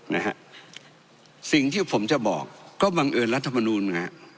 นะฮะสิ่งที่ผมจะบอกก็บังเอิญรัฐมนูลนะฮะ